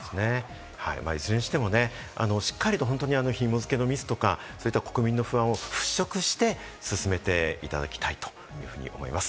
いずれにしても、しっかりとひも付けのミスとか、国民の不安を払拭して、進めていただきたいと思います。